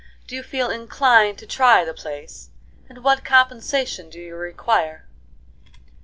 Do you feel inclined to try the place? And what compensation do you require?"